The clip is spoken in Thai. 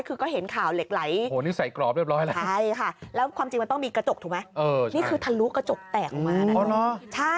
คือก็เห็นข่าวเหล็กไหลใช่ค่ะแล้วความจริงมันต้องมีกระจกถูกไหมนี่คือทะลุกระจกแตกมา